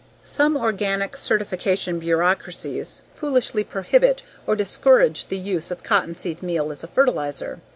Some organic certification bureaucracies foolishly prohibit or discourage the use of cottonseed meal as a fertilizer.